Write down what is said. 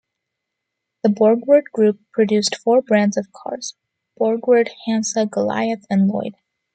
The Borgward group produced four brands of cars: Borgward, Hansa, Goliath and Lloyd.